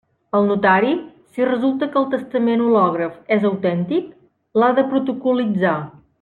El notari, si resulta que el testament hològraf és autèntic, l'ha de protocol·litzar.